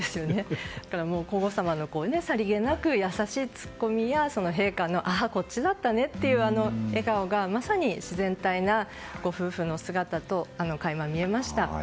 皇后さまのさりげなく優しいツッコミや陛下の、こっちだったねという笑顔がまさに、自然体なご夫婦の姿と垣間見えました。